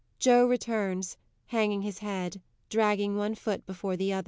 _ JOE _returns, hanging his head, dragging one foot before the other.